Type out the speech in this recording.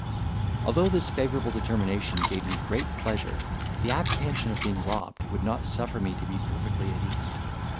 Although this favourable determination gave me great pleasure, the apprehension of being robbed would not suffer me to be perfectly at ease.